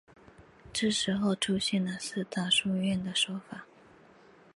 这时候出现了四大书院的说法。